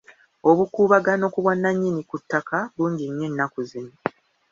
Obukuubagano ku bwannannyini ku ttaka bungi nnyo ennaku zino.